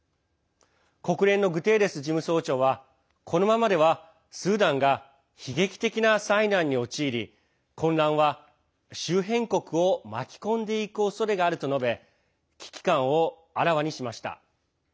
国連のグテーレス事務総長はこのままではスーダンが悲劇的な災難に陥り混乱は、周辺国を巻き込んでいくおそれがあると述べ危機感をあらわにしました。